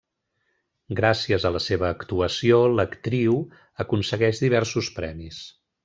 Gràcies a la seva actuació, l'actriu, aconsegueix diversos premis.